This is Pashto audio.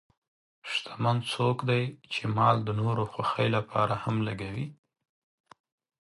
شتمن څوک دی چې مال د نورو خوښۍ لپاره هم لګوي.